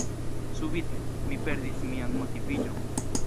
Subite, mi perdis mian motiviĝon.